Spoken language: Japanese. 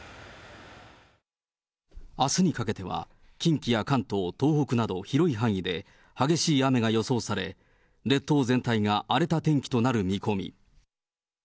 あすにかけては、近畿や関東、東北など広い範囲で、激しい雨が予想され、列島全体が荒れた天気となる見込み。